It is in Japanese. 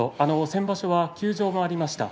先場所は休場もありました。